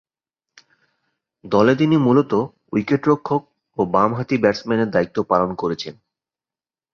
দলে তিনি মূলতঃ উইকেট-রক্ষক ও বামহাতি ব্যাটসম্যানের দায়িত্ব পালন করছেন।